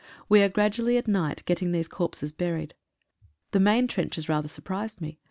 We are gradually at night get ting these corpses buried. The main trenches rather surprised me.